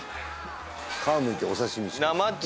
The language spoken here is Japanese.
「殻むいてお刺身します」